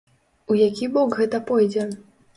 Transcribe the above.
У які бок гэта пойдзе?